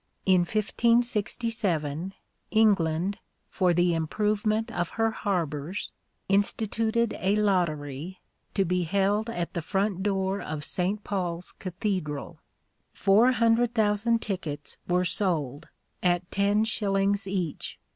In 1567, England, for the improvement of her harbors, instituted a lottery, to be held at the front door of St. Paul's Cathedral. Four hundred thousand tickets were sold, at ten shillings each.